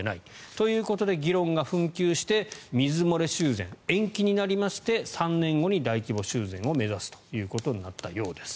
ということで議論は紛糾して水漏れ修繕延期になりまして３年後に大規模修繕することになったようです。